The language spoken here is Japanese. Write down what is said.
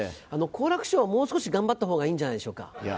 好楽師匠はもう少し頑張ったほうがいいんじゃないでしょうか？